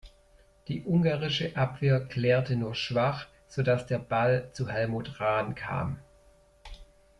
Die ungarische Abwehr klärte nur schwach, sodass der Ball zu Helmut Rahn kam.